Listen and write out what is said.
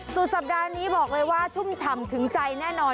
สุดสัปดาห์นี้บอกเลยว่าชุ่มฉ่ำถึงใจแน่นอน